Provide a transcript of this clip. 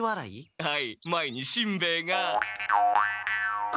はい。